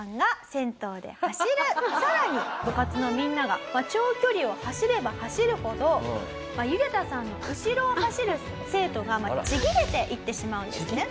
さらに部活のみんなが長距離を走れば走るほどユゲタさんの後ろを走る生徒がちぎれていってしまうんですね。